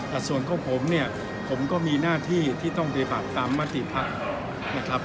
แต่ส่วนของผมเนี่ยผมก็มีหน้าที่ที่ต้องปฏิบัติตามมติภักดิ์นะครับ